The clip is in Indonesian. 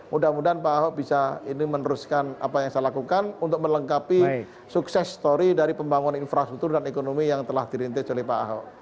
mudah mudahan pak ahok bisa ini meneruskan apa yang saya lakukan untuk melengkapi sukses story dari pembangunan infrastruktur dan ekonomi yang telah dirintis oleh pak ahok